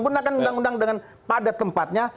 gunakan undang undang pada tempatnya